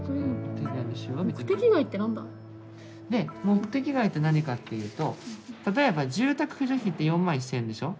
目的外って何かっていうと例えば住宅扶助費って４万１，０００円でしょ。